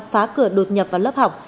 phá cửa đột nhập vào lớp học